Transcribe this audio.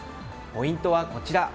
ポイントはこちら。